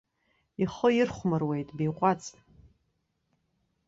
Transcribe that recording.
Ихы ирхәмаруеит, биҟәаҵ.